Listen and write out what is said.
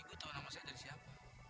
ibu tahu nama saya dari siapa